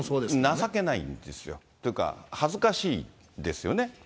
情けないんですよ、というか、恥ずかしいですよね。